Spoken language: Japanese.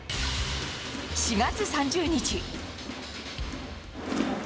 ４月３０日。